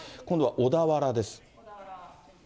今度は小田原です。